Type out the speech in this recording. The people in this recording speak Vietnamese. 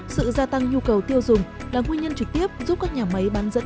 sự gia tăng nhu cầu tiêu dùng là nguyên nhân trực tiếp giúp các nhà máy bán dẫn